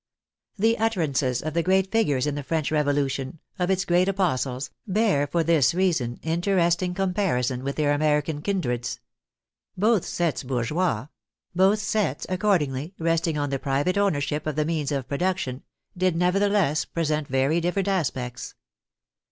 The utterances of the great figures in the French Revolution, of its great apostles, bear for this reason interesting comparison with their American kindreds. Both sets bourgeois ; both sets, accordingly, resting on the private ownership of the means of production, did nevertheless present very different aspects.